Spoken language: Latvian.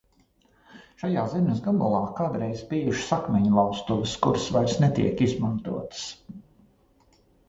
Šajā zemes gabalā kādreiz bijušas akmeņlauztuves, kuras vairs netiek izmantotas.